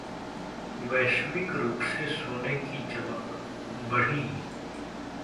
वैश्विक रुख से सोने की चमक बढ़ी